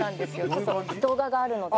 ちょっと動画があるので。